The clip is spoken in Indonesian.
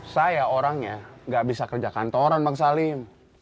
saya orangnya gak bisa kerja kantoran bang salim